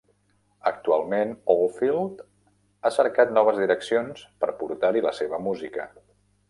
Actualment Oldfield ha cercat noves direccions per portar-hi la seva música.